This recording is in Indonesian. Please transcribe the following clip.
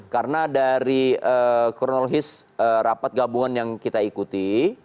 karena dari kronologis rapat gabungan yang kita ikuti